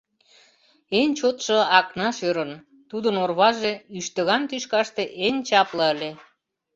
Эн чотшо Акнаш ӧрын: тудын орваже ӱштыган тӱшкаште эн чапле ыле.